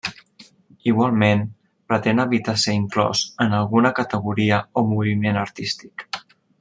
Igualment pretén evitar ser inclòs en alguna categoria o moviment artístic.